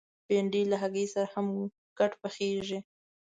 بېنډۍ له هګۍ سره هم ګډ پخېږي